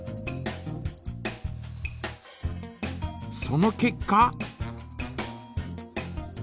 その結果？